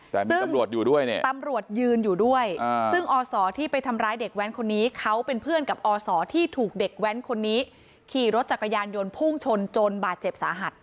แต่มีตำรวจอยู่ด้วยเนี่ยตำรวจยืนอยู่ด้วยซึ่งอศที่ไปทำร้ายเด็กแว้นคนนี้เขาเป็นเพื่อนกับอศที่ถูกเด็กแว้นคนนี้ขี่รถจักรยานยนต์พุ่งชนจนบาดเจ็บสาหัส